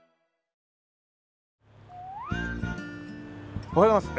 おはようございます。